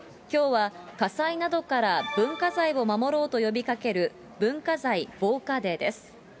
きょうは火災などから文化財を守ろうと呼びかける、文化財防火デーです。